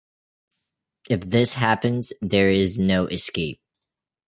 If this happens there is no escape.